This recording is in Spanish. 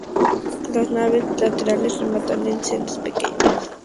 Las naves laterales rematan en sendas pequeñas capillas a los costados del altar principal.